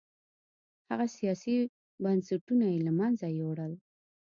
هغه سیاسي بنسټونه یې له منځه یووړل